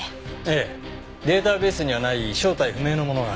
ええデータベースにはない正体不明のものが。